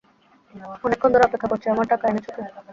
অনেকক্ষণ ধরে অপেক্ষা করছি, আমার টাকা এনেছো কি?